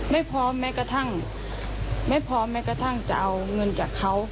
ไม่พร้อมแม้กระทั่งไม่พร้อมแม้กระทั่งจะเอาเงินจากเขา